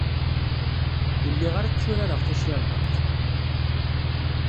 Ur lliɣ ara tturareɣ tacirḍart.